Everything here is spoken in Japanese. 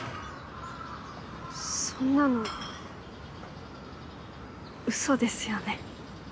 そんなのウソですよね。